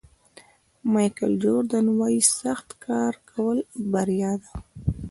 مایکل جوردن وایي سخت کار کول بریا ده.